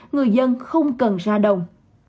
người dân không cần ra đồng